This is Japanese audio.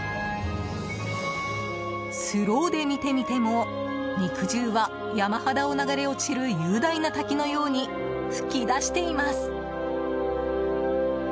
スローで見てみても肉汁は、山肌を流れ落ちる雄大な滝のように噴き出しています。